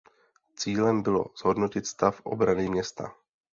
Cílem bylo zhodnotit stav obrany města.